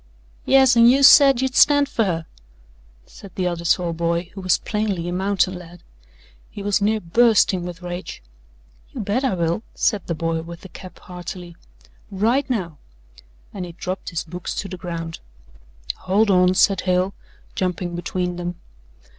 "Yes, an' you said you'd stand fer her," said the other tall boy who was plainly a mountain lad. He was near bursting with rage. "You bet I will," said the boy with the cap heartily, "right now!" and he dropped his books to the ground. "Hold on!" said Hale, jumping between them.